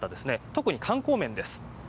特に観光面です。